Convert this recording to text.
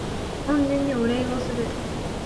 恩人にお礼をする